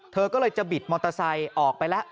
เธอก็เลยจะบิดมอเตอร์ไซค์ออกไปแล้ว